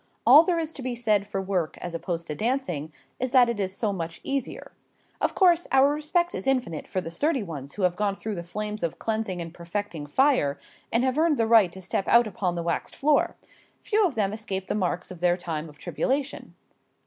All there is to be said for work as opposed to dancing is that it is so much easier. Of course, our respect is infinite for the sturdy ones who have gone through the flames of cleansing and perfecting fire and have earned the right to step out upon the waxed floor. Few of them escape the marks of their time of tribulation.